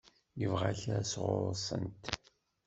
Yebɣa kra sɣur-sent?